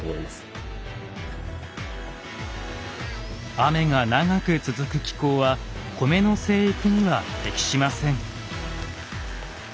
雨が長く続く気候は米の生育には適しません。